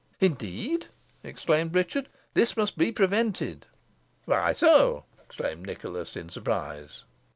"Indeed!" exclaimed Richard, "this must be prevented." "Why so?" exclaimed Nicholas, in surprise.